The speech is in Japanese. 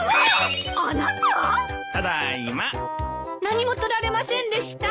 何も取られませんでした？